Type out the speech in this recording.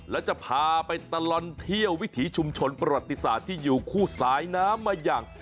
แล้วจะพาไปตลอดเที่ยววิถีชุมชนประวัติศาสตร์ที่อยู่คู่สายน้ำมาอย่าง